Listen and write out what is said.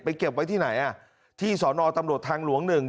เก็บไว้ที่ไหนอ่ะที่สอนอตำรวจทางหลวงหนึ่ง